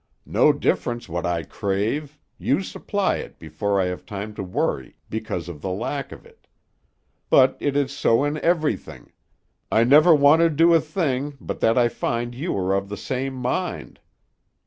"No difference what I crave, you supply it before I have time to worry because of the lack of it. But it is so in everything; I never want to do a thing but that I find you are of the same mind.